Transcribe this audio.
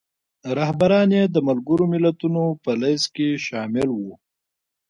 رهبران یې د ملګرو ملتونو په لیست کې شامل وو.